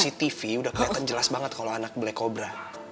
iya udah keliatan jelas banget kalau anak black cobra